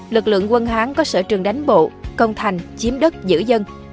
lực lượng quân hán có sở trường đánh bộ công thành chiếm đất giữ dân